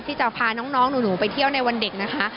ที่จะพาน้องหนูไปเที่ยวในวันเด็กนะคะ